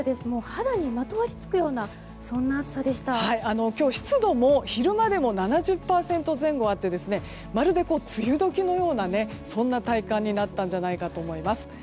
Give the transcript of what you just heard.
肌にまとわりつくような今日、湿度も昼間でも７０％前後あってまるで梅雨時のようなそんな体感になったんじゃないかと思います。